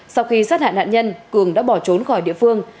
sau khi sát hại nạn nhân cường đã bỏ trốn khỏi địa phương